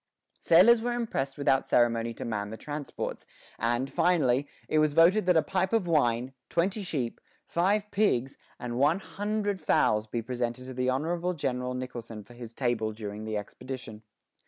Sailors were impressed without ceremony to man the transports; and, finally, it was voted that a pipe of wine, twenty sheep, five pigs, and one hundred fowls be presented to the Honorable General Nicholson for his table during the expedition.